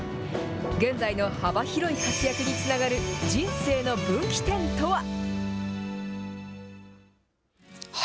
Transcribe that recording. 現在の幅広い活躍につながる人生の分岐点とは？